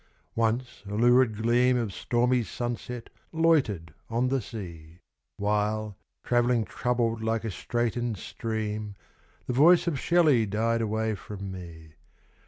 Once a lurid gleam Of stormy sunset loitered on the sea, While, travelling troubled like a straitened stream, The voice of Shelley died away from me.